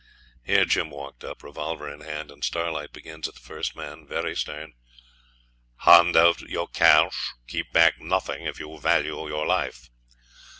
Here Jim walked up, revolver in hand, and Starlight begins at the first man, very stern 'Hand out your cash; keep back nothing, if you value your life.'